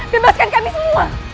bebaskan kami semua